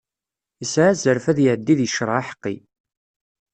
Yesɛa azref ad iɛeddi deg ccreɛ aḥeqqi.